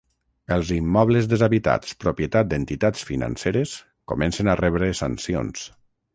Els immobles deshabitats propietat d'entitats financeres comencen a rebre sancions